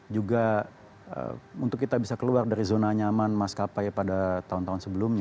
juga untuk kita bisa keluar dari zona nyaman maskapai pada tahun tahun sebelumnya